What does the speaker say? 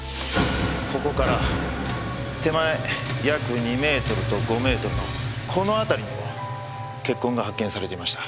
ここから手前約２メートルと５メートルのこの辺りにも血痕が発見されていました。